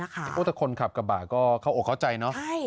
ส่วนคนขับกระบะก็เขาเข้าใจเนอะ